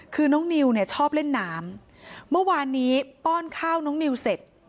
คือน้องนิวเนี่ยชอบเล่นน้ำเมื่อวานนี้ป้อนข้าวน้องนิวเสร็จ